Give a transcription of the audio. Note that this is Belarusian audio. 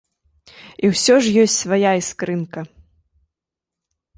І ўсё ж ёсць свая іскрынка.